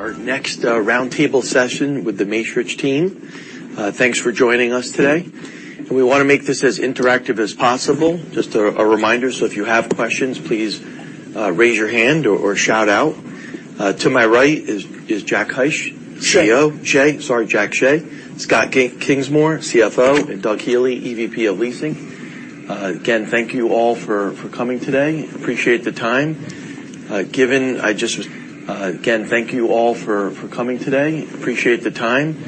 ...Our next roundtable session with the Macerich team. Thanks for joining us today, and we want to make this as interactive as possible. Just a reminder, so if you have questions, please raise your hand or shout out. To my right is Jack Hsieh- Hsieh. CEO Hsieh. Sorry, Jack Hsieh. Scott Kingsmore, CFO, and Doug Healey, EVP of Leasing. Again, thank you all for coming today. Appreciate the time.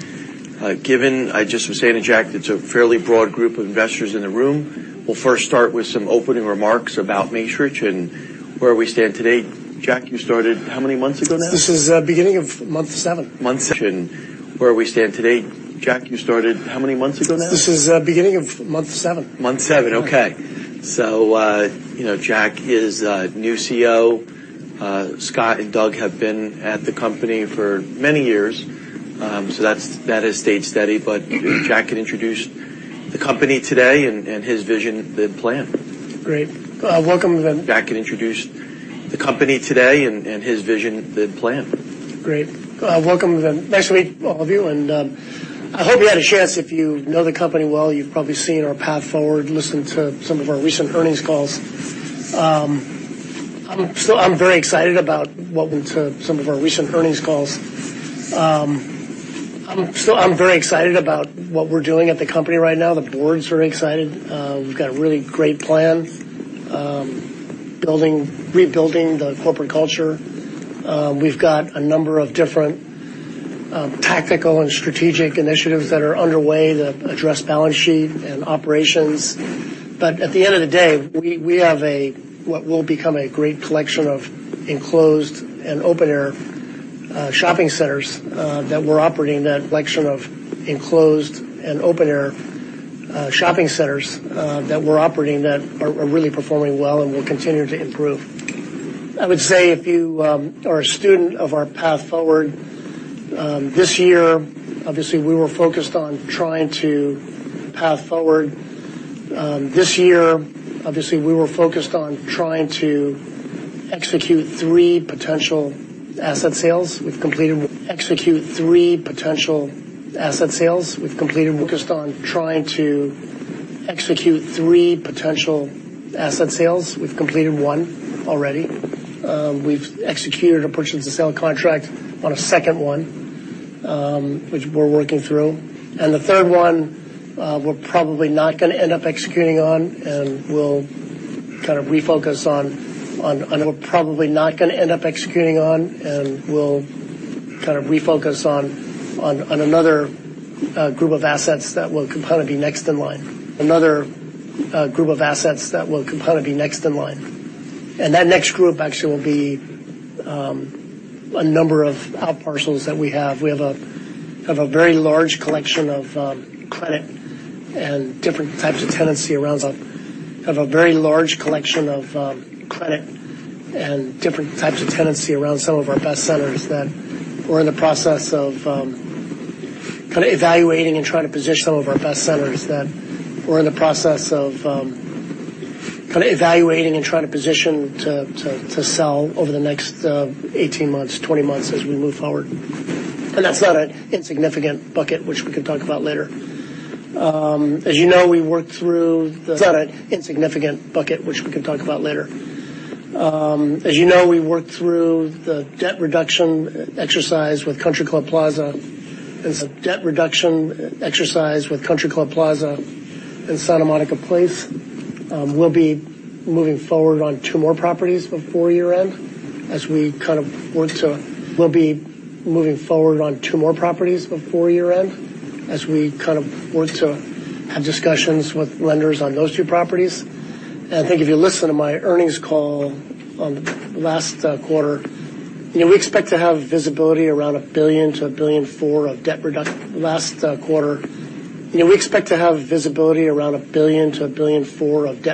Given I just was saying to Jack, it's a fairly broad group of investors in the room. We'll first start with some opening remarks about Macerich and where we stand today. Jack, you started how many months ago now This is beginning of month seven. Month seven. Okay. So, you know, Jack is our new CEO. Scott and Doug have been at the company for many years, so that's, that has stayed steady. But Jack can introduce the company today and his vision, the plan. Great. Welcome. Nice to meet all of you, and I hope you had a chance, if you know the company well, you've probably seen our path forward, listened to some of our recent earnings calls. I'm still very excited about what we're doing at the company right now. The board's very excited. We've got a really great plan, building, rebuilding the corporate culture. We've got a number of different tactical and strategic initiatives that are underway that address balance sheet and operations. But at the end of the day, we have a what will become a great collection of enclosed and open-air shopping centers that we're operating that are really performing well and will continue to improve. I would say, if you are a student of our path forward, this year, obviously, we were focused on trying to execute three potential asset sales. We've completed one already. We've executed a purchase and sale contract on a second one, which we're working through. And the third one, we're probably not gonna end up executing on, and we'll kind of refocus on another group of assets that will kind of be next in line. And that next group actually will be a number of outparcels that we have. We have a very large collection of credit and different types of tenancy around some of our best centers that we're in the process of kind of evaluating and trying to position to sell over the next 18 months, 20 months as we move forward. That's not an insignificant bucket, which we can talk about later. As you know, we worked through the debt reduction exercise with Country Club Plaza and Santa Monica Place. We'll be moving forward on two more properties before year-end, as we kind of work to have discussions with lenders on those two properties. And I think if you listen to my earnings call on the last quarter, you know, we expect to have visibility around $1 billion-$1.4 billion of debt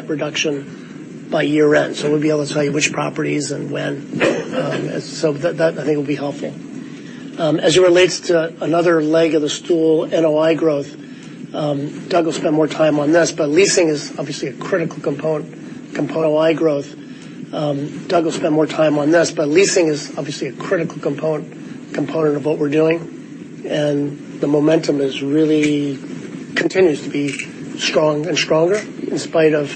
reduction by year-end, so we'll be able to tell you which properties and when. So that, I think, will be helpful. As it relates to another leg of the stool, NOI growth, Doug will spend more time on this, but leasing is obviously a critical component of NOI growth. Doug will spend more time on this, but leasing is obviously a critical component of what we're doing, and the momentum really continues to be strong and stronger, in spite of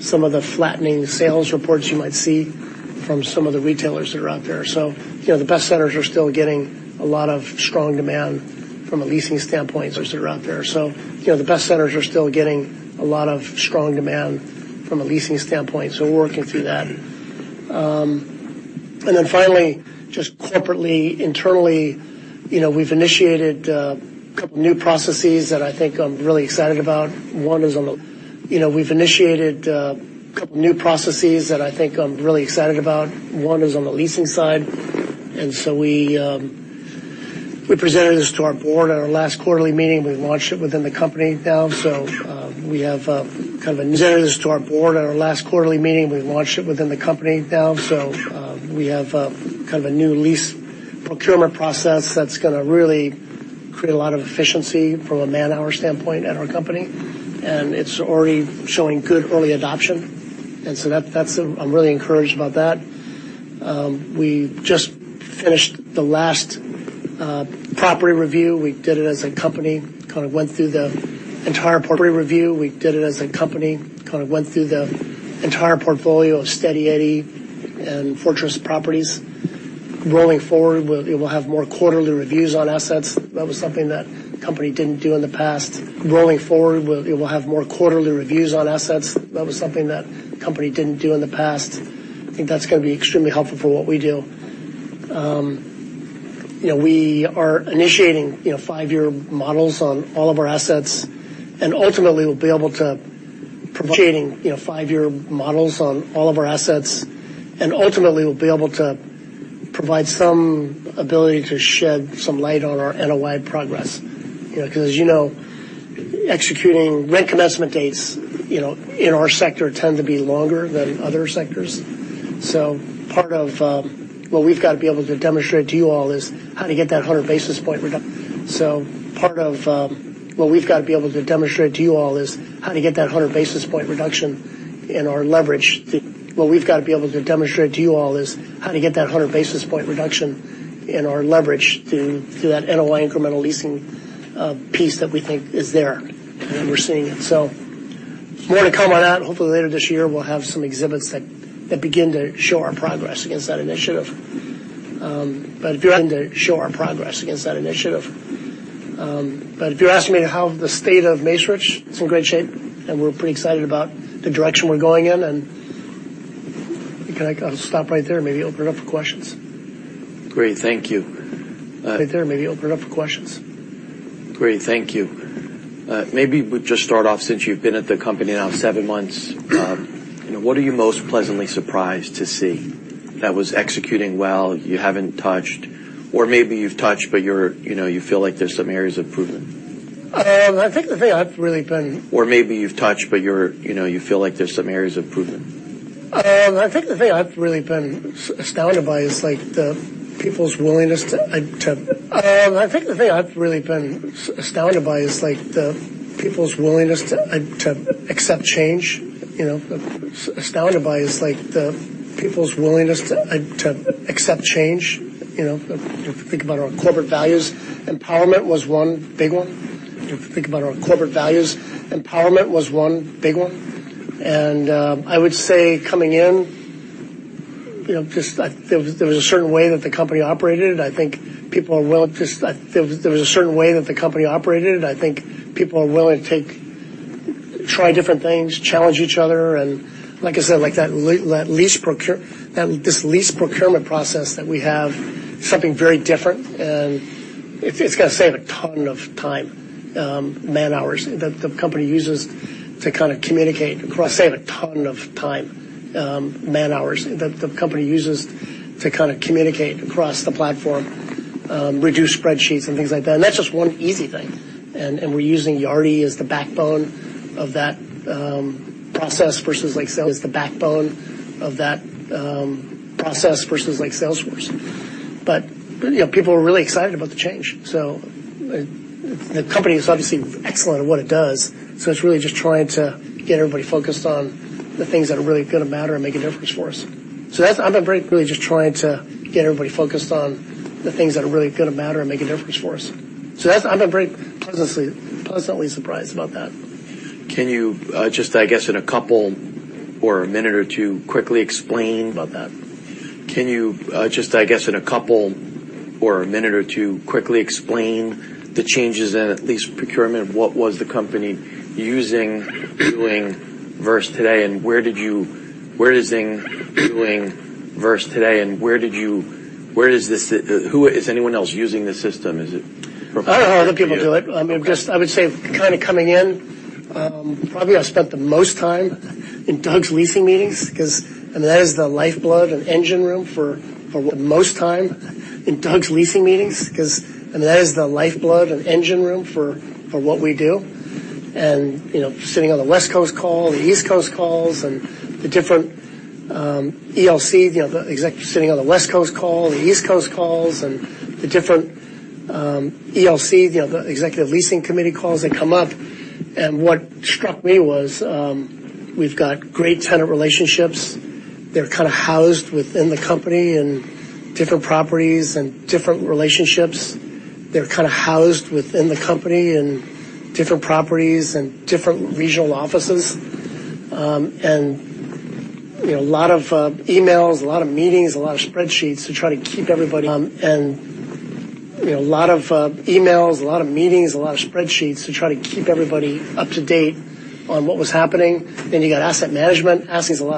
some of the flattening sales reports you might see from some of the retailers that are out there. So, you know, the best centers are still getting a lot of strong demand from a leasing standpoint, so we're working through that. And then finally, just corporately, internally, you know, we've initiated a couple new processes that I think I'm really excited about. One is on the leasing side, and so we presented this to our board at our last quarterly meeting. We've launched it within the company now, so we have kind of a new lease procurement process that's gonna really create a lot of efficiency from a man-hour standpoint at our company, and it's already showing good early adoption. And so that's, I'm really encouraged about that. We just finished the last property review. We did it as a company, kind of went through the entire portfolio of Steady Eddy and Fortress properties. Rolling forward, we'll have more quarterly reviews on assets. That was something that the company didn't do in the past. I think that's gonna be extremely helpful for what we do. You know, we are initiating five-year models on all of our assets, and ultimately, we'll be able to provide some ability to shed some light on our NOI progress. You know, 'cause, you know, executing rent commencement dates, you know, in our sector, tend to be longer than other sectors. So part of what we've got to be able to demonstrate to you all is how to get that 100 point reduction in our leverage. Through that NOI incremental leasing piece that we think is there, and we're seeing it. So more to come on that. Hopefully, later this year, we'll have some exhibits that begin to show our progress against that initiative. But if you're asking me how the state of Macerich, it's in great shape, and we're pretty excited about the direction we're going in, and can I, I'll stop right there and maybe open it up for questions. Great. Thank you. Maybe we just start off, since you've been at the company now seven months, you know, what are you most pleasantly surprised to see that was executing well, you haven't touched, or maybe you've touched, but you're, you know, you feel like there's some areas of improvement? I think the thing I've really been astounded by is, like, the people's willingness to accept change, you know. If you think about our corporate values, empowerment was one big one. And I would say coming in, you know, just there was a certain way that the company operated. I think people are willing to just... There was a certain way that the company operated. I think people are willing to try different things, challenge each other, and like I said, like, this lease procurement process that we have, something very different, and it's gonna save a ton of time, man-hours that the company uses to kind of communicate across the platform, reduce spreadsheets and things like that. And that's just one easy thing. And we're using Yardi as the backbone of that process versus, like, Salesforce. But, you know, people are really excited about the change, so, the company is obviously excellent at what it does, so it's really just trying to get everybody focused on the things that are really gonna matter and make a difference for us. I've been very pleasantly surprised about that. Can you just, I guess in a couple or a minute or two, quickly explain the changes in at lease procurement, what was the company using, doing versus today, and where did you - where is thing doing versus today, and where did you, where does this... is anyone else using this system? Is it- I'll let other people do it. Just, I would say, kind of coming in, probably, I spent the most time in Doug leasing meetings 'cause, I mean, that is the lifeblood and engine room for what we do. And, you know, sitting on the West Coast call, the East Coast calls, and the different ELC, you know, the executive leasing committee calls that come up. And what struck me was, we've got great tenant relationships. They're kind of housed within the company and different properties and different relationships. They're kind of housed within the company and different properties and different regional offices. And, you know, a lot of emails, a lot of meetings, a lot of spreadsheets to try to keep everybody up to date on what was happening. Then you got asset management asking leasing,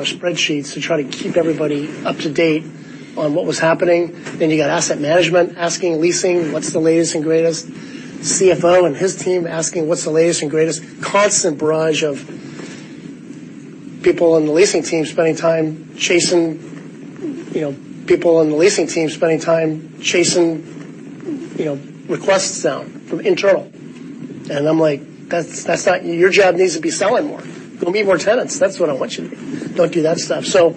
what's the latest and greatest? CFO and his team asking, what's the latest and greatest? Constant barrage of people on the leasing team spending time chasing down, you know, requests from internal. And I'm like, "That's not. Your job needs to be selling more. Go meet more tenants. That's what I want you to do. Don't do that stuff." So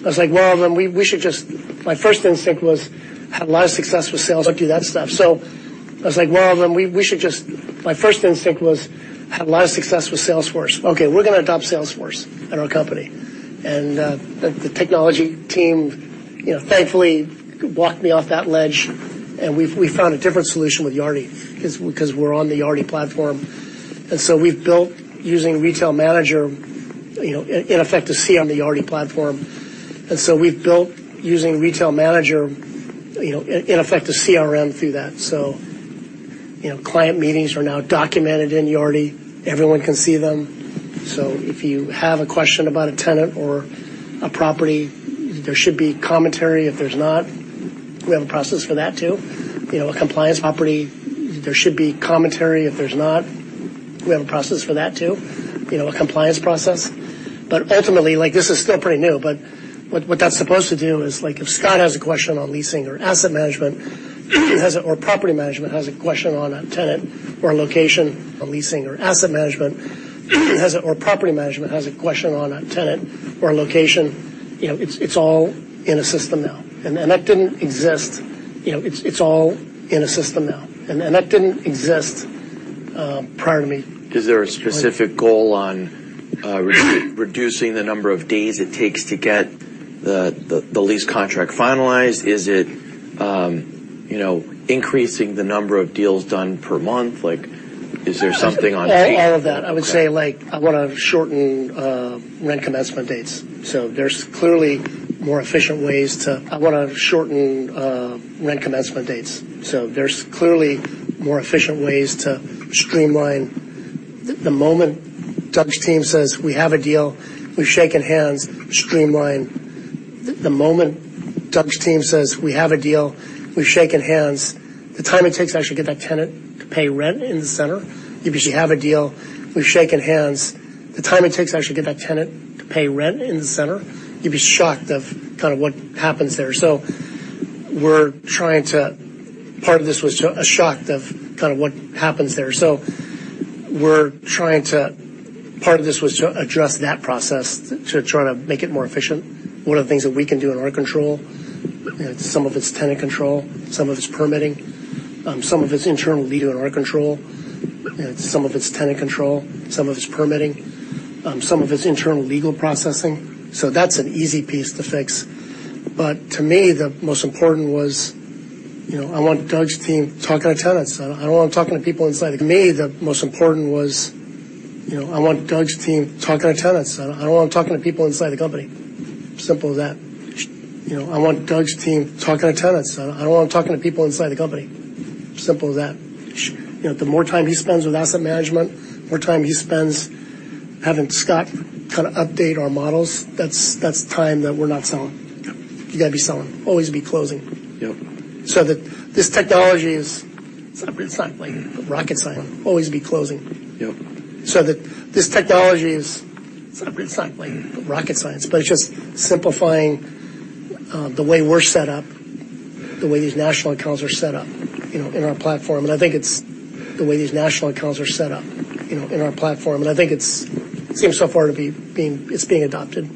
I was like, "Well, then we should just..." My first instinct was, I had a lot of success with Salesforce. Okay, we're gonna adopt Salesforce at our company. And the technology team, you know, thankfully, blocked me off that ledge, and we've found a different solution with Yardi, 'cause we're on the Yardi platform. And so we've built using Retail Manager, you know, in effect, a CRM through that. So, you know, client meetings are now documented in Yardi, everyone can see them. So if you have a question about a tenant or a property, there should be commentary. If there's not, we have a process for that, too. You know, a compliance property, you know, a compliance process. But ultimately, like, this is still pretty new, but what that's supposed to do is, like, if Scott has a question on leasing or asset management, or property management has a question on a tenant or a location, you know, it's all in a system now, and that didn't exist prior to me. Is there a specific goal on reducing the number of days it takes to get the lease contract finalized? Is it, you know, increasing the number of deals done per month? Like, is there something on the table? All of that. Okay. I would say, like, I wanna shorten rent commencement dates. So there's clearly more efficient ways to streamline. The moment Doug's team says, "We have a deal, we've shaken hands," the time it takes to actually get that tenant to pay rent in the center. You basically have a deal, we've shaken hands, the time it takes to actually get that tenant to pay rent in the center. You'd be shocked of kind of what happens there. So we're trying to address that process, to try to make it more efficient. One of the things that we can do in our control, some of it's tenant control, some of it's permitting, some of it's internal legal in our control, and some of it's tenant control, some of it's permitting, some of it's internal legal processing. So that's an easy piece to fix. But to me, the most important was, you know, I want Doug's team talking to tenants. I don't want him talking to people inside. To me, the most important was, you know, I want Doug's team talking to tenants. I don't want him talking to people inside the company. Simple as that.. You know, the more time he spends with asset management, more time he spends having Scott kind of update our models, that's, that's time that we're not selling. You got to be selling. Always be closing. Yep. So that this technology is, it's not like rocket science, but it's just simplifying the way we're set up, the way these national accounts are set up, you know, in our platform. And I think it's, seems so far to be being. It's being adopted.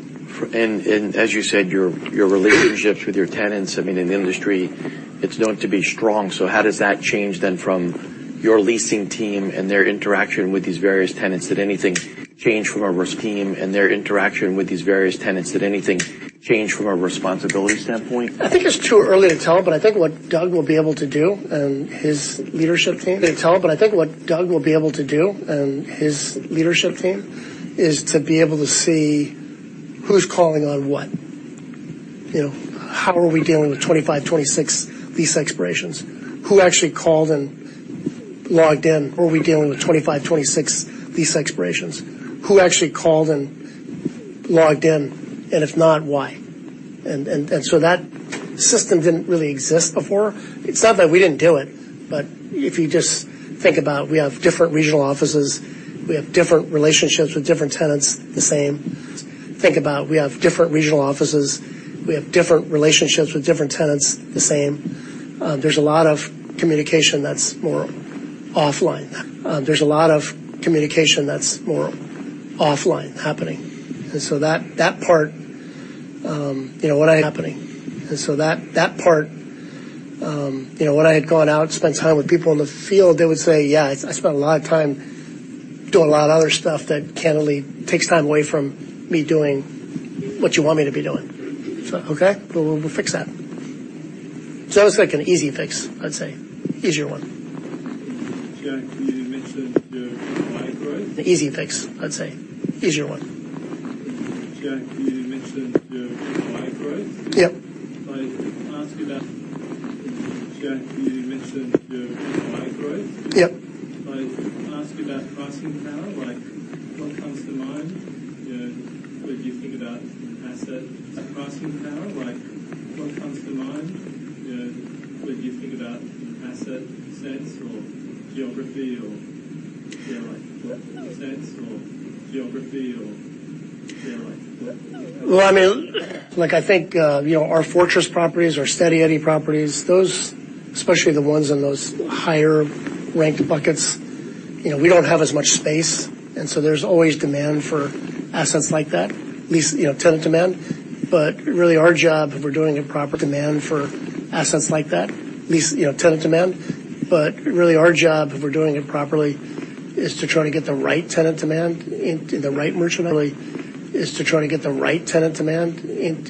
As you said, your relationships with your tenants, I mean, in the industry, it's known to be strong. How does that change then from your leasing team and their interaction with these various tenants? Did anything change from our team and their interaction with these various tenants? Did anything change from a responsibility standpoint? I think it's too early to tell, but I think what Doug will be able to do and his leadership team is to be able to see who's calling on what. You know, how are we dealing with 25-26 lease expirations? Who actually called and logged in, and if not, why? And so that system didn't really exist before. It's not that we didn't do it, but if you just think about it, we have different regional offices, we have different relationships with different tenants, the same. There's a lot of communication that's more offline. There's a lot of communication that's more offline happening. And so that part, you know, when I had gone out and spent time with people in the field, they would say, "Yeah, I spent a lot of time doing a lot of other stuff that candidly takes time away from me doing what you want me to be doing." So, okay, well, we'll fix that. So that's like an easy fix, I'd say. Easier one. Jack, can you mention the way through? Yep. If I ask you about pricing power, like, what comes to mind? When you think about asset sense or geography or, you know, like... I mean, like, I think, you know, our fortress properties, our Steady Eddy properties, those, especially the ones in those higher ranked buckets, you know, we don't have as much space, and so there's always demand for assets like that, at least, you know, tenant demand. But really, our job, if we're doing it properly, is to try to get the right tenant demand into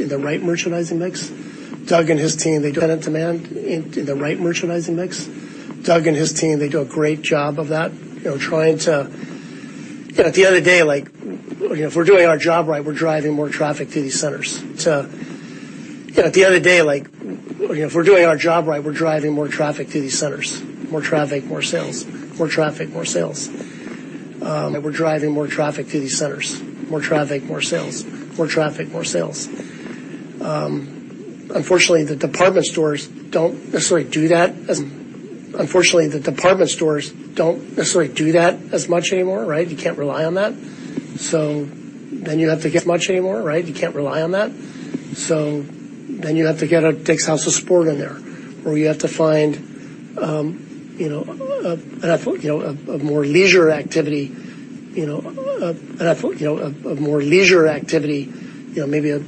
the right merchandising mix. Doug and his team, they do a great job of that, you know, trying to... You know, at the end of the day, like, you know, if we're doing our job right, we're driving more traffic to these centers. More traffic, more sales. Unfortunately, the department stores don't necessarily do that as much anymore, right? You can't rely on that. So then you have to get a Dick's House of Sport in there, or you have to find, you know, a more leisure activity, you know, maybe a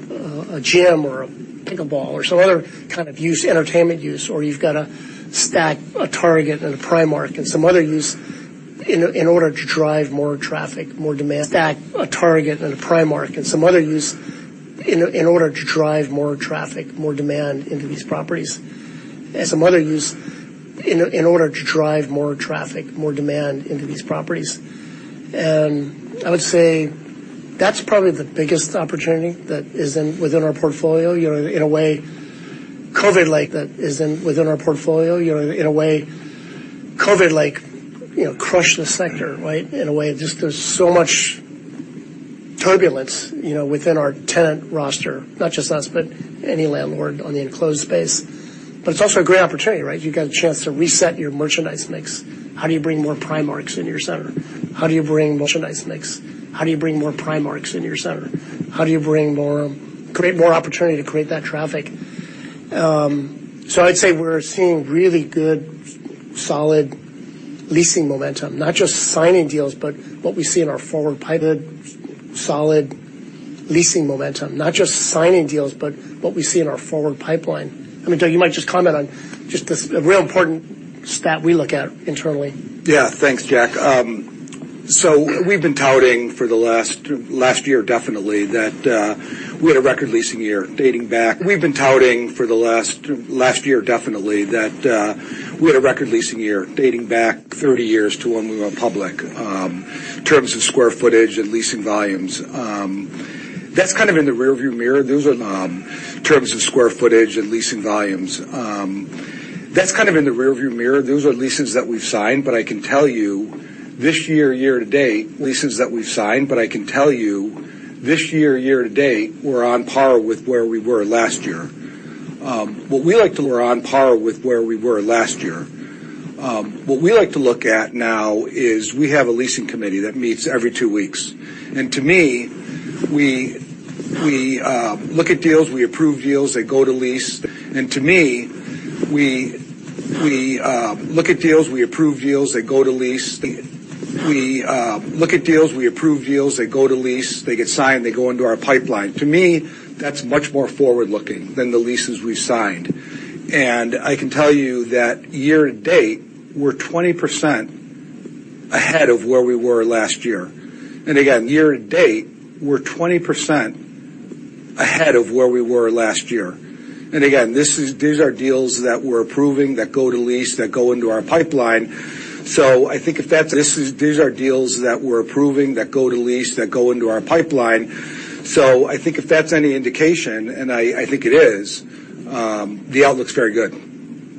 gym or a pickleball or some other kind of use, entertainment use, or you've got to stack a Target and a Primark and some other use in order to drive more traffic, more demand into these properties. And I would say that's probably the biggest opportunity that is within our portfolio. You know, in a way, COVID, like, that is within our portfolio, you know, crushed the sector, right? In a way, just there's so much turbulence, you know, within our tenant roster. Not just us, but any landlord on the enclosed space. But it's also a great opportunity, right? You get a chance to reset your merchandise mix. How do you bring more Primarks into your center? How do you bring more, create more opportunity to create that traffic? So I'd say we're seeing really good, solid leasing momentum, not just signing deals, but what we see in our forward pipeline. I mean, Doug, you might just comment on just this, a real important stat we look at internally. Yeah. Thanks, Jack. So we've been touting for the last year, definitely, that we had a record leasing year, dating back thirty years to when we went public, in terms of square footage and leasing volumes. That's kind of in the rearview mirror. Those are leases that we've signed, but I can tell you, this year, year to date, we're on par with where we were last year. What we like to look at now is we have a leasing committee that meets every two weeks. And to me, we look at deals, we approve deals, they go to lease, they get signed, they go into our pipeline. To me, that's much more forward-looking than the leases we signed. And I can tell you that year to date, we're 20% ahead of where we were last year. And again, this is. These are deals that we're approving, that go to lease, that go into our pipeline. These are deals that we're approving, that go to lease, that go into our pipeline. So I think if that's any indication, and I think it is, the outlook's very good.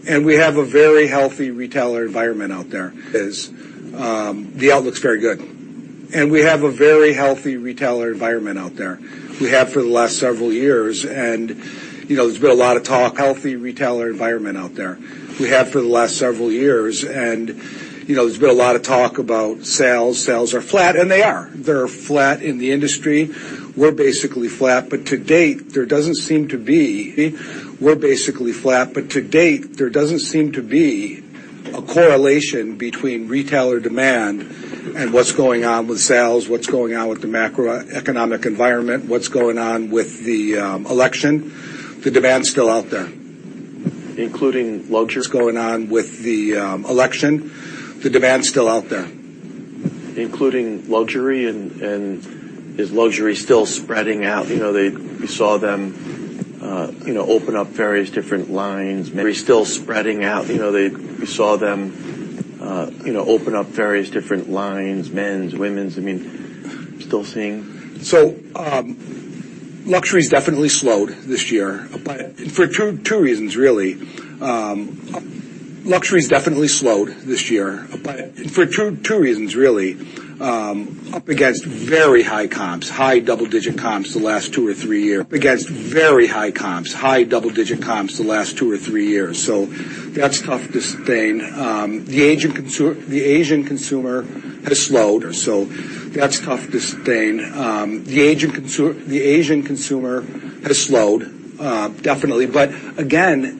And we have a very healthy retailer environment out there. We have for the last several years, and you know, there's been a lot of talk about sales. Sales are flat, and they are. They're flat in the industry. We're basically flat, but to date, there doesn't seem to be a correlation between retailer demand and what's going on with sales, what's going on with the macroeconomic environment, what's going on with the election. The demand's still out there. Including luxury and is luxury still spreading out? You know, they, we saw them, you know, open up various different lines, men's, women's. I mean, still seeing? Luxury's definitely slowed this year, but for two reasons, really. Up against very high comps, high double-digit comps the last two or three years. So that's tough to sustain. The Asian consumer has slowed, so that's tough to sustain, definitely. But again.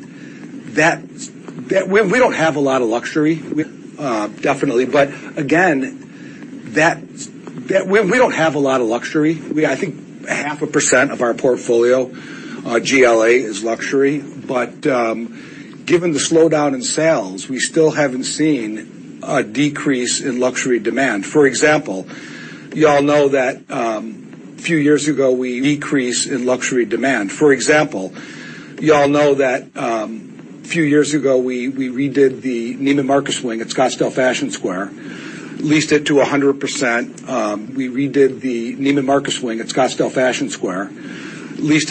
That we don't have a lot of luxury, I think 0.5% of our portfolio GLA is luxury, but given the slowdown in sales, we still haven't seen a decrease in luxury demand. For example, you all know that a few years ago, we redid the Neiman Marcus wing at Scottsdale Fashion Square, leased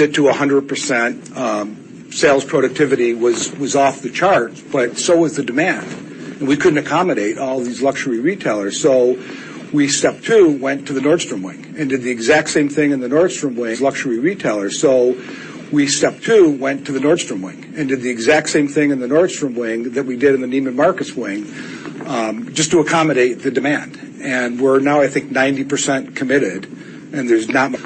it to 100%. Sales productivity was off the charts, but so was the demand, and we couldn't accommodate all these luxury retailers. So we, step two, went to the Nordstrom wing and did the exact same thing in the Nordstrom wing that we did in the Neiman Marcus wing, just to accommodate the demand. And we're now, I think, 90% committed, and there's not much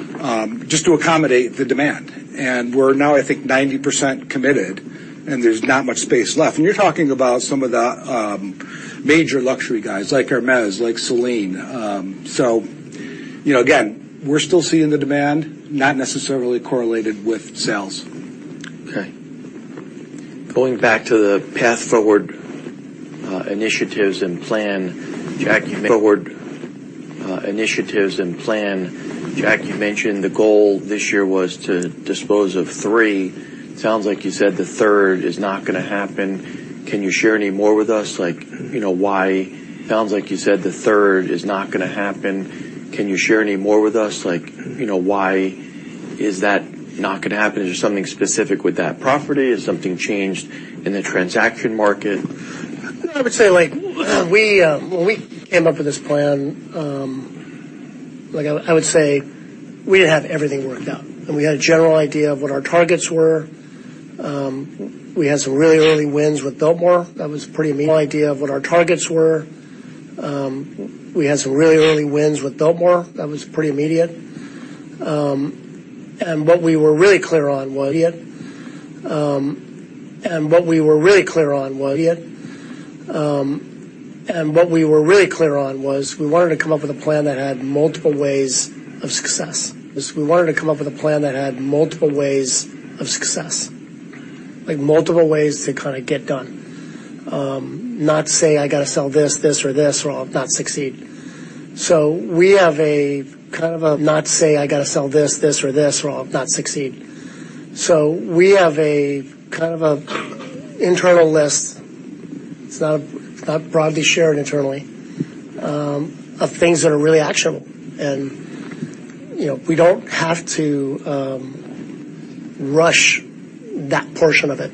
space left. And you're talking about some of the major luxury guys like Hermès, like Céline. So, you know, again, we're still seeing the demand, not necessarily correlated with sales. Okay. Going back to the path forward, initiatives and plan, Jack, you mentioned the goal this year was to dispose of three. Sounds like you said the third is not gonna happen. Can you share any more with us? Like, you know, why is that not gonna happen? Is there something specific with that property? Is something changed in the transaction market? I would say, like, we when we came up with this plan, like I would say, we didn't have everything worked out, and we had a general idea of what our targets were. We had some really early wins with Biltmore. That was pretty immediate. And what we were really clear on was, we wanted to come up with a plan that had multiple ways of success, like multiple ways to kind of get done. Not say, I got to sell this, this or this, or I'll not succeed. So we have a kind of an internal list, it's not broadly shared internally, of things that are really actionable. And, you know, we don't have to rush that portion of it.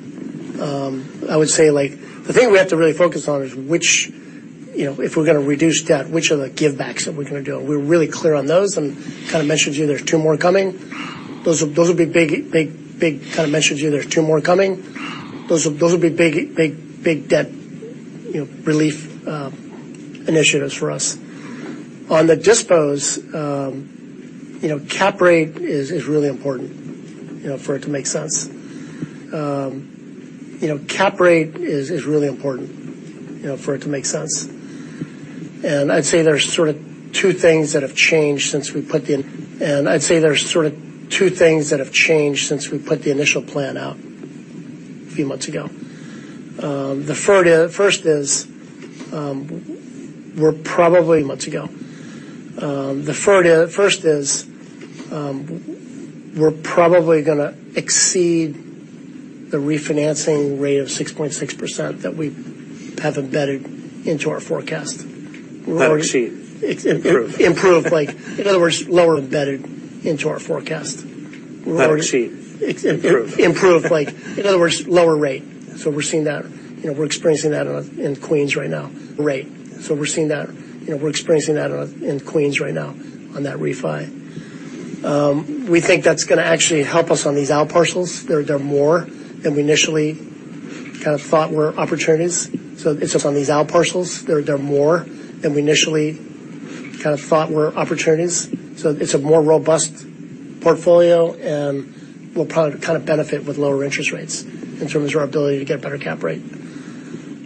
I would say, like, the thing we have to really focus on is which, you know, if we're gonna reduce debt, which are the givebacks that we're gonna do? And we're really clear on those and kind of mentioned to you, there's two more coming. Those will be big debt, you know, relief initiatives for us. On the dispose, you know, cap rate is really important, you know, for it to make sense. And I'd say there's sort of two things that have changed since we put the initial plan out a few months ago. The first is, we're probably gonna exceed the refinancing rate of 6.6% that we have embedded into our forecast. Not exceed, improved. Improved. Like, in other words, lower embedded into our forecast. Like, in other words, lower rate. We're seeing that. You know, we're experiencing that in Queens right now on that refi. We think that's gonna actually help us on these outparcels. There are more than we initially kind of thought were opportunities. It's a more robust portfolio, and we'll kind of benefit with lower interest rates in terms of our ability to get better cap rate.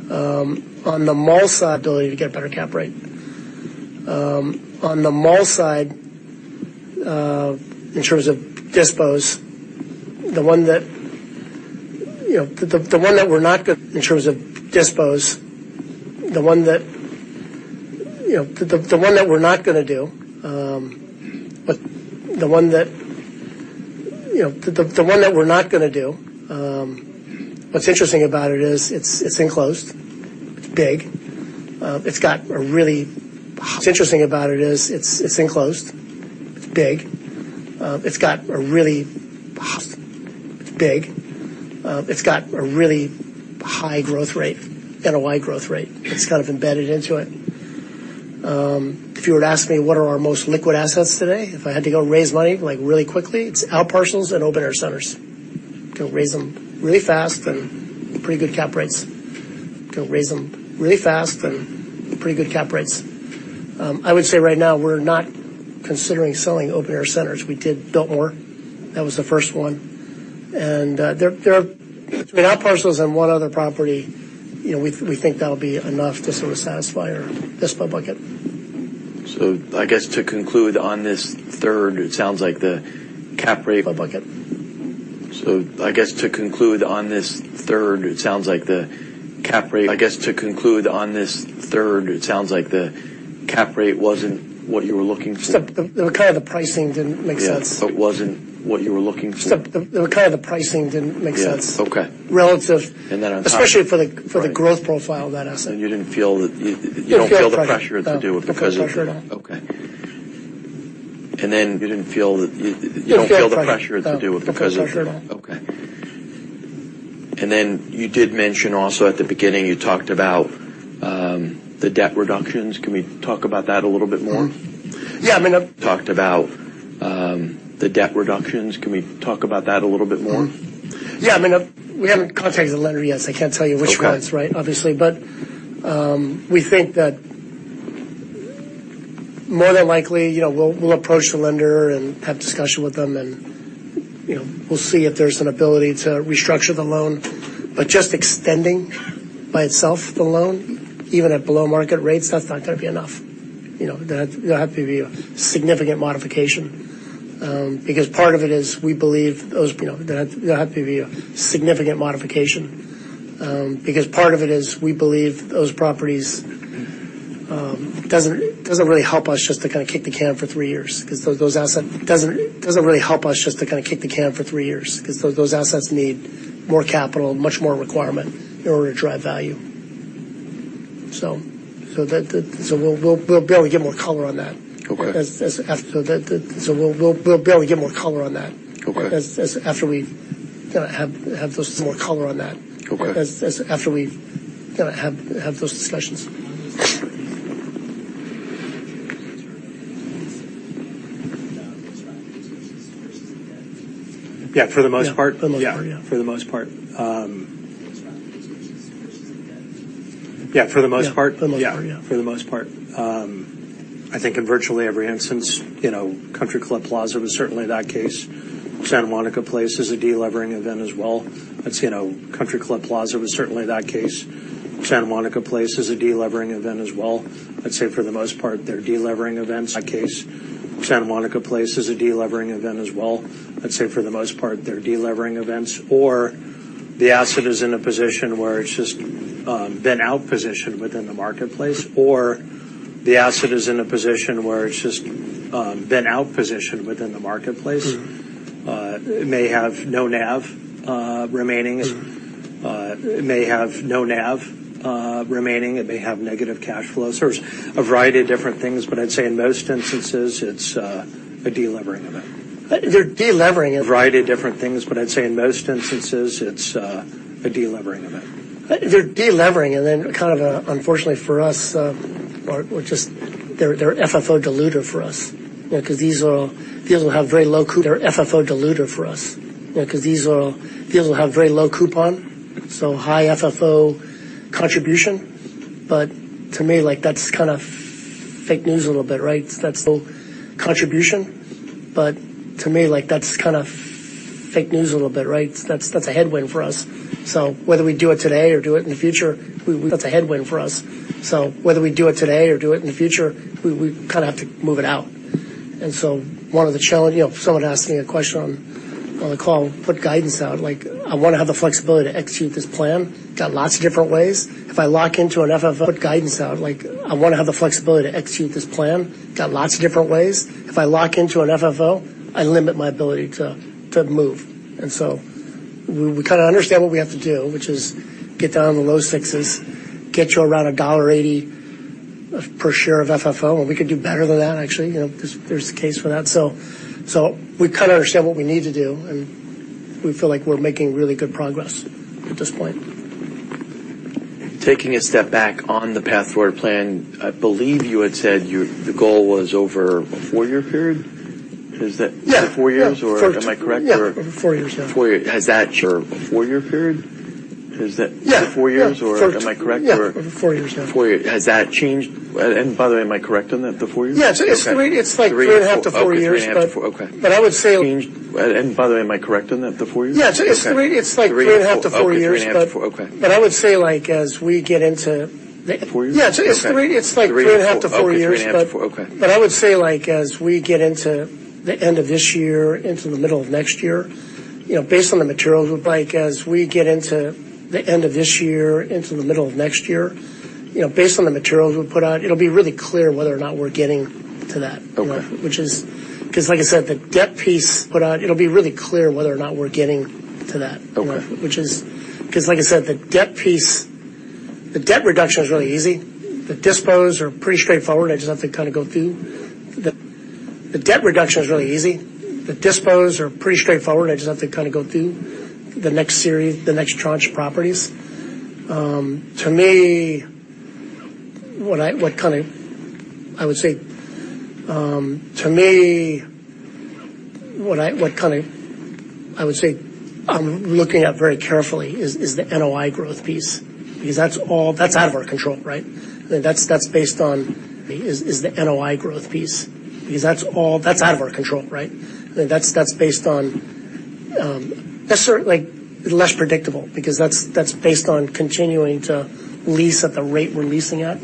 On the mall side, in terms of dispose, the one that you know we're not gonna do, but what's interesting about it is, it's enclosed. It's big. It's got a really high growth rate, NOI growth rate. It's kind of embedded into it. If you were to ask me, what are our most liquid assets today? If I had to go raise money, like, really quickly, it's outparcels and open-air centers. Can raise them really fast and pretty good cap rates. I would say right now, we're not considering selling open-air centers. We did Biltmore. That was the first one. And, between our parcels and one other property, you know, we think that'll be enough to sort of satisfy our dispo bucket. I guess, to conclude on this third, it sounds like the cap rate wasn't what you were looking for? The kind of the pricing didn't make sense. Yeah. Okay. Relative- And then on top- Especially for the growth profile of that asset. You don't feel the pressure to do it because of it? No. Didn't feel the pressure. Okay. And then you did mention also at the beginning, you talked about, the debt reductions. Can we talk about that a little bit more? Yeah, I mean, I've-we haven't contacted the lender yet, so I can't tell you which one- Okay ...is, right? Obviously. But, we think that more than likely, you know, we'll approach the lender and have discussion with them, and, you know, we'll see if there's an ability to restructure the loan. But just extending by itself, the loan, even at below market rates, that's not gonna be enough. You know, that's, there'll have to be a significant modification, because part of it is we believe those properties doesn't really help us just to kind of kick the can for three years, 'cause those assets need more capital, much more requirement in order to drive value. We'll be able to get more color on that. Okay. After we've kind of have those discussions. Yeah. For the most part, I think in virtually every instance, you know, Country Club Plaza was certainly that case. Santa Monica Place is a delevering event as well. I'd say for the most part, they're delevering events, or the asset is in a position where it's just been out positioned within the marketplace. Mm-hmm. It may have no NAV remaining. Mm. It may have no NAV remaining, it may have negative cash flows. There's a variety of different things, but I'd say in most instances, it's a delevering event. They're delevering, and then kind of, unfortunately for us, or just, they're FFO dilutive for us. You know, 'cause these are, these will have very low coupon, so high FFO contribution. But to me, like, that's kind of fake news a little bit, right? That's a headwind for us. So whether we do it today or do it in the future, we kind of have to move it out. And so one of the challenge, you know, someone asked me a question on the call, put guidance out. Like, I wanna have the flexibility to execute this plan, got lots of different ways. If I lock into an FFO guidance out, I limit my ability to move. And so we kind of understand what we have to do, which is get down on the low sixes, get you around $1.80 per share of FFO, and we could do better than that, actually. You know, there's a case for that. So we kind of understand what we need to do, and we feel like we're making really good progress at this point. Taking a step back on the path forward plan, I believe you had said the goal was over a four-year period. Is that- Yeah, over four years, yeah. Four years, or am I correct? Yeah, over four years, yeah. Four years. Has that changed? And by the way, am I correct on that, the four years? Yes. Okay. It's like three and a half to four years. But I would say, like, as we get into the end of this year, into the middle of next year, you know, based on the materials we put out, it'll be really clear whether or not we're getting to that. Okay. 'Cause, like I said, the debt piece put out, it'll be really clear whether or not we're getting to that. Okay. Which is, 'cause like I said, the debt piece, the debt reduction is really easy. The dispositions are pretty straightforward. I just have to kinda go through the next series, the next tranche properties. To me, what kinda, I would say, I'm looking at very carefully is the NOI growth piece, because that's all out of our control, right? That's based on, like, that's certainly less predictable, because that's based on continuing to lease at the rate we're leasing at,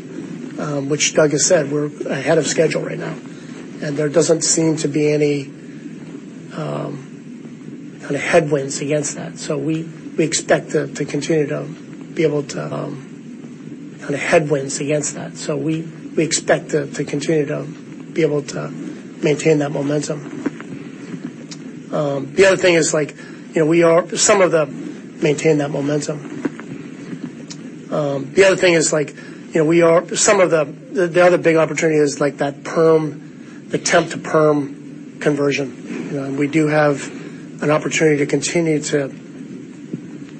which, like I said, we're ahead of schedule right now, and there doesn't seem to be any kinda headwinds against that. So we expect to continue to be able to maintain that momentum. The other thing is, like, you know, the other big opportunity is like that temp to perm conversion. You know, we do have an opportunity to continue to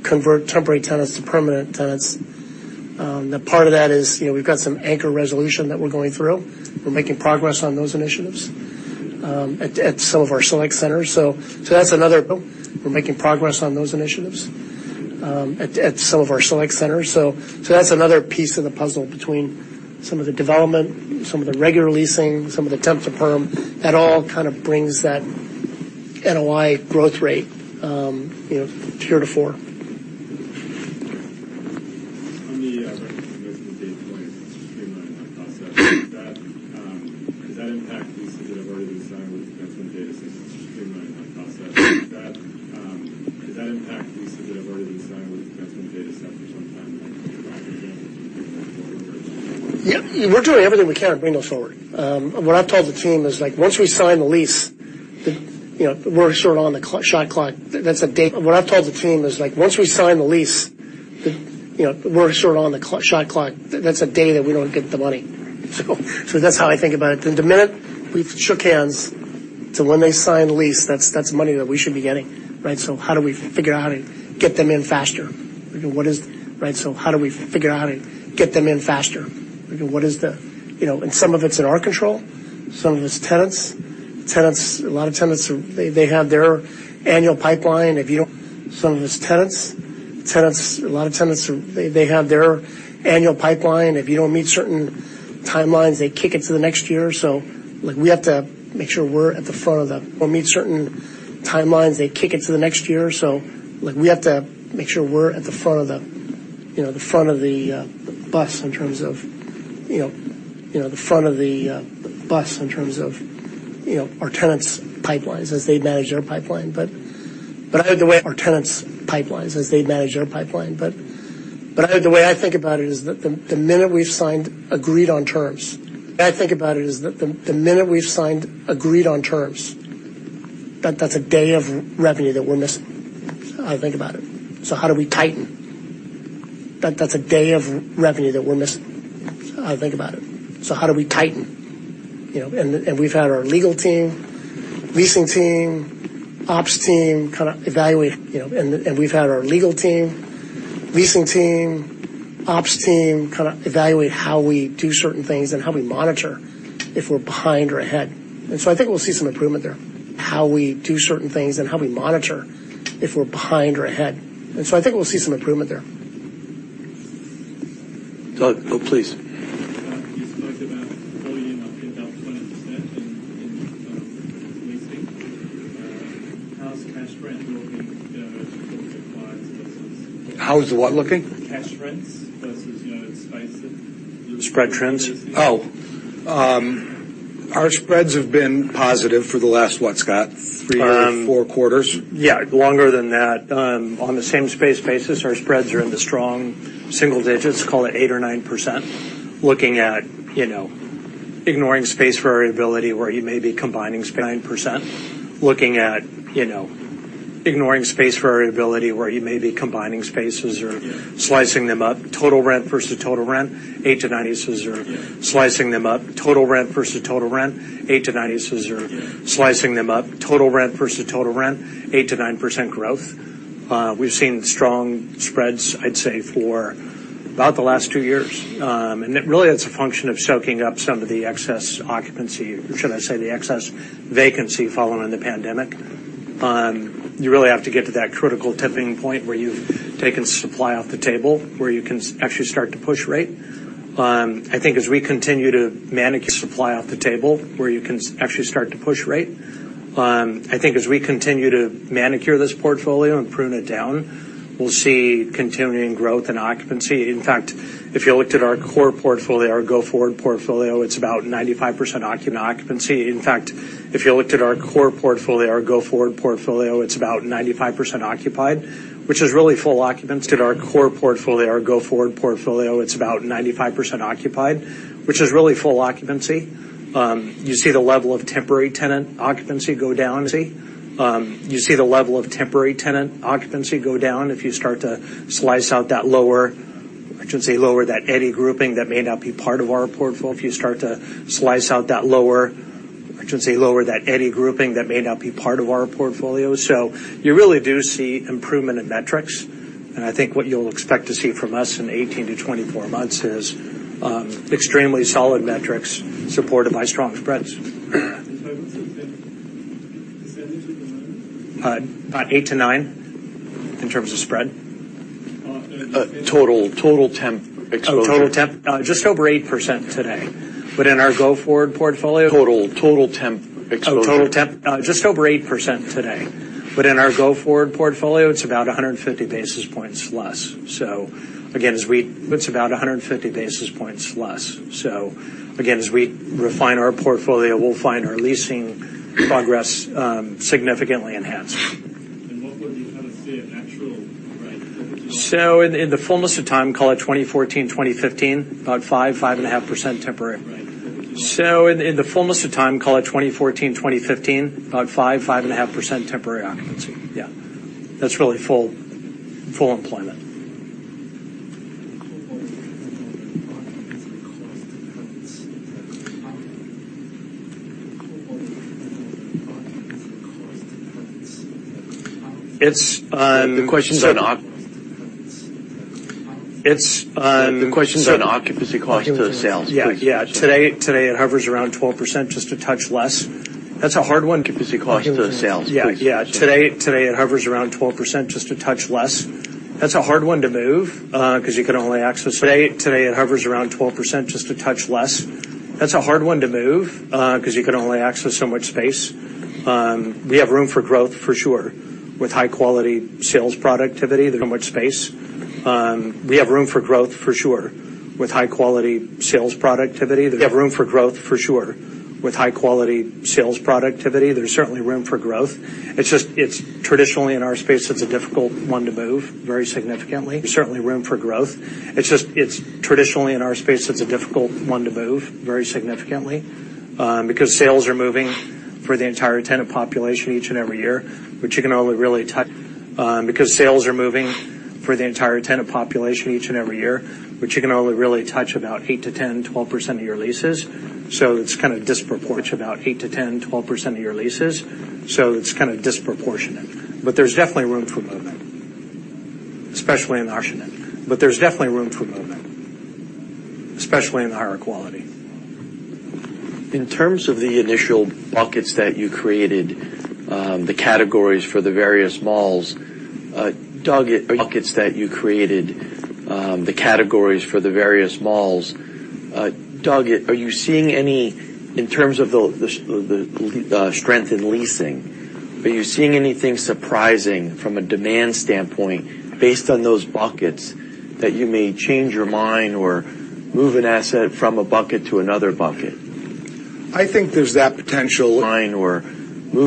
convert temporary tenants to permanent tenants. The part of that is, you know, we've got some anchor resolution that we're going through. We're making progress on those initiatives at some of our select centers. So that's another piece of the puzzle between some of the development, some of the regular leasing, some of the temp to perm. That all kinda brings that NOI growth rate, you know, to 3%-4%. On the recommendation date point, streamline that process, does that impact leases that have already been signed with the investment data center to streamline that process? Does that impact leases that have already been signed with investment data center sometime? Yeah, we're doing everything we can to bring those forward. What I've told the team is, like, once we sign the lease, you know, we're short on the clock. Shot clock. That's a date. That's a day that we don't get the money. So that's how I think about it. Then the minute we've shook hands to when they sign the lease, that's money that we should be getting, right? So how do we figure out how to get them in faster? What is the, you know, and some of it's in our control, some of it's tenants. Tenants, a lot of tenants, they have their annual pipeline. If you don't meet certain timelines, they kick it to the next year. So, like, we have to make sure we're at the front of the, you know, the front of the bus in terms of, you know, our tenants' pipelines as they manage their pipeline. But the way I think about it is that the minute we've signed, agreed on terms, that's a day of revenue that we're missing. I think about it. So how do we tighten? You know, and we've had our legal team, leasing team, ops team kinda evaluate how we do certain things and how we monitor if we're behind or ahead. And so I think we'll see some improvement there. Doug, oh, please. leasing. How's the cash rent looking, you know, How is what looking? Cash rents versus, you know, space that- Spread trends? Oh, our spreads have been positive for the last, what, Scott? Three or four quarters. Yeah, longer than that. On the same space basis, our spreads are in the strong single digits, call it 8% or 9%. Looking at, you know, ignoring space variability, where you may be combining spaces or slicing them up. Total rent versus total rent, 8%-9% growth. We've seen strong spreads, I'd say, for about the last two years, and it really is a function of soaking up some of the excess occupancy, or should I say, the excess vacancy following the pandemic. You really have to get to that critical tipping point where you've taken supply off the table, where you can actually start to push rate. I think as we continue to manage supply off the table, where you can actually start to push rate, I think as we continue to manicure this portfolio and prune it down, we'll see continuing growth in occupancy. In fact, if you looked at our core portfolio, our go-forward portfolio, it's about 95% occupied, which is really full occupancy. You see the level of temporary tenant occupancy go down. You see the level of temporary tenant occupancy go down if you start to slice out that lower, I shouldn't say lower, that Steady Eddy grouping that may not be part of our portfolio. So you really do see improvement in metrics, and I think what you'll expect to see from us in eighteen to twenty-four months is extremely solid metrics supported by strong spreads. What's the percentage of the spread? About eight to nine in terms of spread.... total temp exposure. Oh, total temp. Just over 8% today, but in our go forward portfolio, it's about 150 basis points less. So again, as we refine our portfolio, we'll find our leasing progress significantly enhanced. In the fullness of time, call it 2014, 2015, about 5-5.5% temporary. It's the question about- Occupancy cost to sales, please. Yeah, yeah. Today, it hovers around 12%, just a touch less. That's a hard one to move, 'cause you can only access so much space. We have room for growth for sure, with high-quality sales productivity, there's certainly room for growth. It's just, it's traditionally in our space, it's a difficult one to move very significantly, because sales are moving for the entire tenant population each and every year, which you can only really touch. Because sales are moving for the entire tenant population each and every year, which you can only really touch about eight to 10, 12% of your leases. So it's kinda disproportionate. But there's definitely room for movement, especially in the higher quality. In terms of the initial buckets that you created, the categories for the various malls. Doug, are you seeing any in terms of the strength in leasing, are you seeing anything surprising from a demand standpoint based on those buckets, that you may change your mind or move an asset from a bucket to another bucket? I think there's that potential in the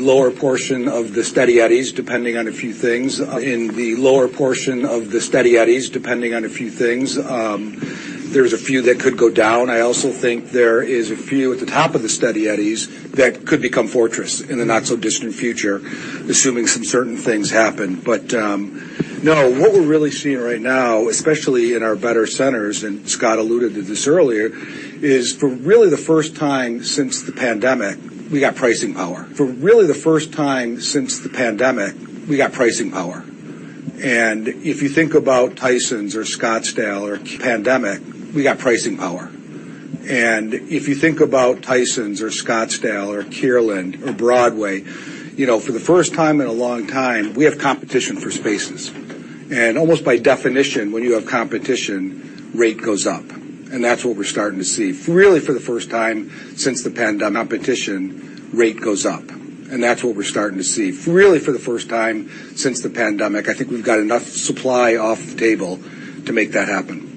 lower portion of the Steady Eddys, depending on a few things. There's a few that could go down. I also think there is a few at the top of the Steady Eddys that could become Fortress in the not so distant future, assuming some certain things happen. But no, what we're really seeing right now, especially in our better centers, and Scott alluded to this earlier, is for really the first time since the pandemic, we got pricing power. And if you think about Tysons or Scottsdale, we got pricing power. If you think about Tysons or Scottsdale or Kierland or Broadway, you know, for the first time in a long time, we have competition for spaces. Almost by definition, when you have competition, rate goes up, and that's what we're starting to see. Really, for the first time since the pandemic, competition, rate goes up, and that's what we're starting to see. Really, for the first time since the pandemic, I think we've got enough supply off the table to make that happen.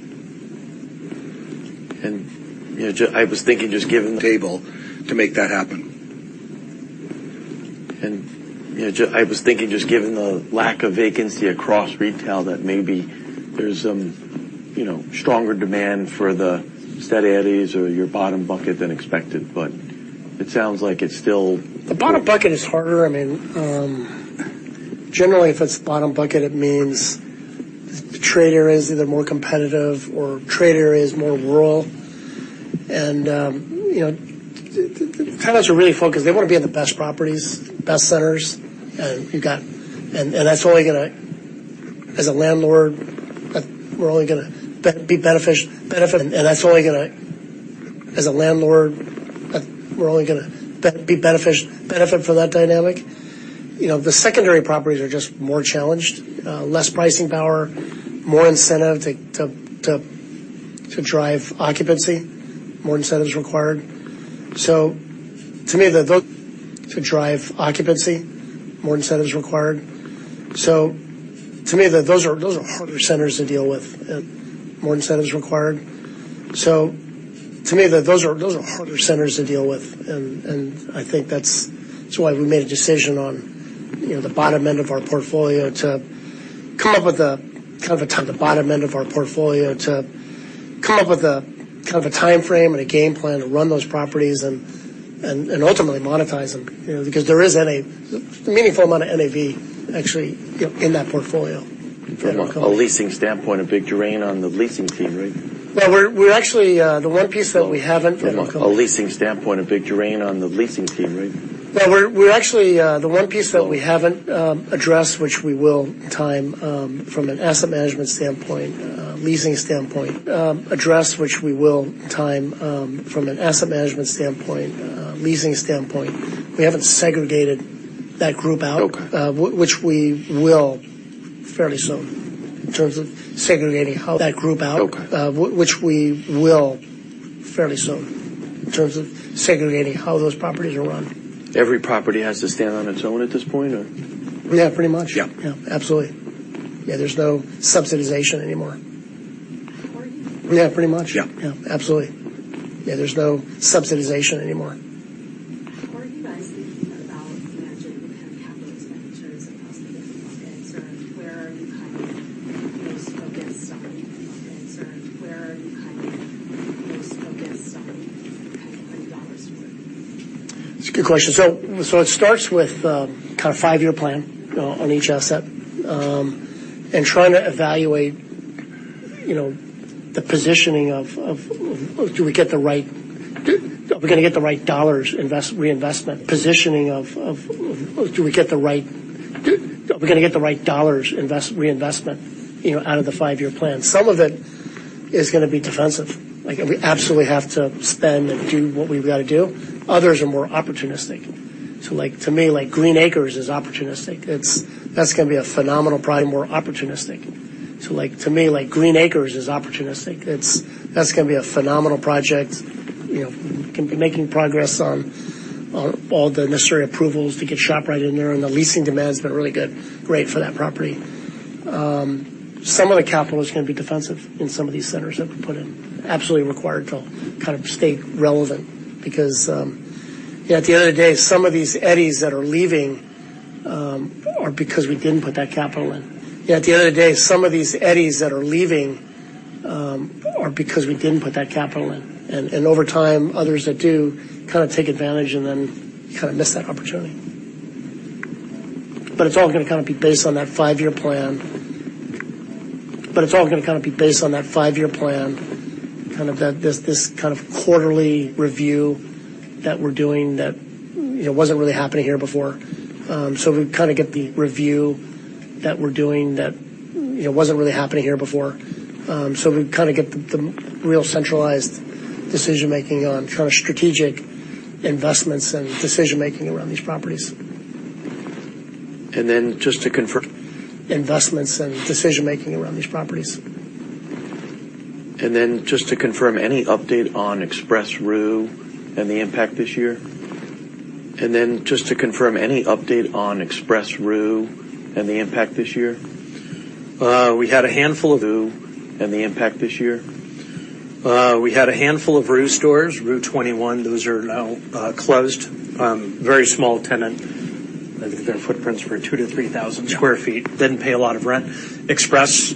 You know, I was thinking just given the lack of vacancy across retail, that maybe there's some, you know, stronger demand for the Steady Eddies or your bottom bucket than expected, but it sounds like it's still- The bottom bucket is harder. I mean, generally, if it's bottom bucket, it means the trade area is either more competitive or trade area is more rural. You know, tenants are really focused. They wanna be in the best properties, best centers, and that's only gonna, as a landlord, we're only gonna benefit from that dynamic. You know, the secondary properties are just more challenged, less pricing power, more incentive to drive occupancy, more incentives required. So to me, those are harder centers to deal with. So to me, those are harder centers to deal with, and I think that's why we made a decision on, you know, the bottom end of our portfolio to come up with a kinda a time frame and a game plan to run those properties and ultimately monetize them, you know, because there is a meaningful amount of NAV actually, you know, in that portfolio. From a leasing standpoint, a big turnover on the leasing team, right? Well, we're actually the one piece that we haven't addressed, which we will time from an asset management standpoint, leasing standpoint. We haven't segregated that group out- Okay. which we will fairly soon, in terms of segregating how those properties are run. Every property has to stand on its own at this point, or? Yeah, pretty much. Yeah. Yeah, absolutely. Yeah, there's no subsidization anymore. How are you guys thinking about managing kind of capital expenditures across the business, and sort of where are you kind of most focused on, and sort of where are you kind of most focused on kind of putting dollars toward? It's a good question. So it starts with kind of a five-year plan on each asset and trying to evaluate, you know, the positioning of. Are we gonna get the right dollars for reinvestment out of the five-year plan? Some of it is gonna be defensive. Like, we absolutely have to spend and do what we've got to do. Others are more opportunistic. So like, to me, like, Green Acres is opportunistic. It's. That's gonna be a phenomenal project, more opportunistic. You know, we can be making progress on all the necessary approvals to get ShopRite in there, and the leasing demand's been really good, great for that property. Some of the capital is gonna be defensive in some of these centers that we put in. Absolutely required to kind of stay relevant because at the end of the day, some of these Eddies that are leaving are because we didn't put that capital in. And over time, others that do kind of take advantage and then kind of miss that opportunity. But it's all gonna kind of be based on that five-year plan. But it's all gonna kind of be based on that five-year plan, kind of, that this kind of quarterly review that we're doing that, you know, wasn't really happening here before. So we kind of get the real centralized decision-making on kind of strategic investments and decision-making around these properties. Just to confirm, any update on Express Rue and the impact this year? We had a handful of Rue stores, Rue21. Those are now closed. Very small tenant. Their footprints were 2,000-3,000 sq ft. Yeah. Didn't pay a lot of rent. Express,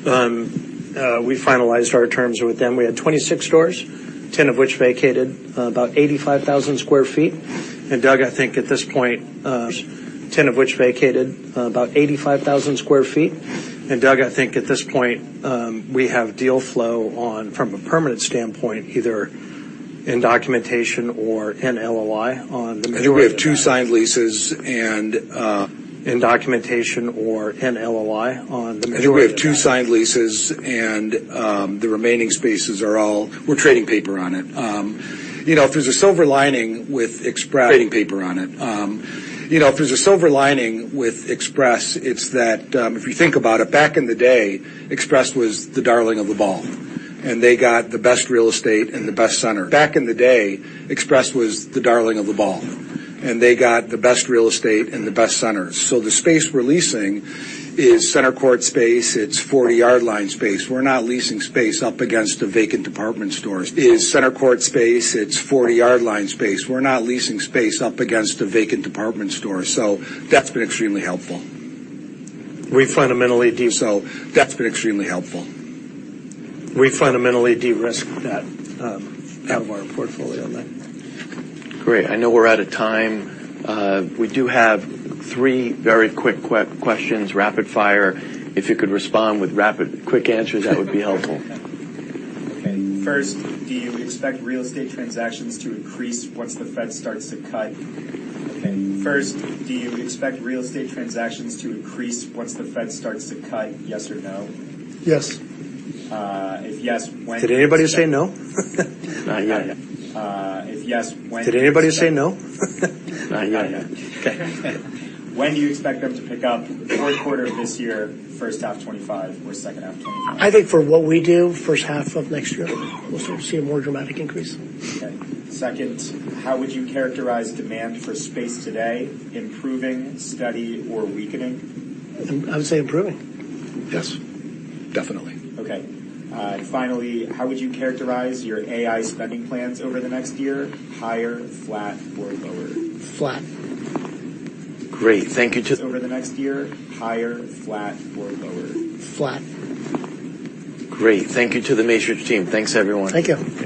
we finalized our terms with them. We had 26 stores, 10 of which vacated about 85,000 sq ft. And, Doug, I think at this point we have deal flow on, from a permanent standpoint, either in documentation or in LOI on the- We have two signed leases and the remaining spaces are all. We're trading paper on it. You know, if there's a silver lining with Express it's that, if you think about it. Back in the day, Express was the darling of the ball, and they got the best real estate and the best centers. The space we're leasing is center court space. It's forty-yard line space. We're not leasing space up against the vacant department stores. It's center court space, it's 40-yard line space. We're not leasing space up against the vacant department store, so that's been extremely helpful. We fundamentally de-risk that out of our portfolio then. Great. I know we're out of time. We do have three very quick questions, rapid fire. If you could respond with rapid, quick answers, that would be helpful. Okay. First, do you expect real estate transactions to increase once the Fed starts to cut, yes or no? Yes. If yes, when- Did anybody say no? Not yet. When do you expect them to pick up, fourth quarter of this year, first half 2025, or second half 2025? I think for what we do, H1 of next year, we'll start to see a more dramatic increase. Okay. Second, how would you characterize demand for space today? Improving, steady, or weakening? I would say improving. Yes, definitely. Okay. Finally, how would you characterize your AI spending plans over the next year? Higher, flat, or lower? Flat. Great. Thank you to the Macerich team. Thanks, everyone. Thank you.